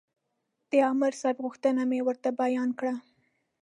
د عامر صاحب غوښتنه مې ورته بیان کړه.